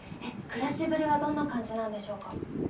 暮らしぶりはどんな感じなんでしょうか？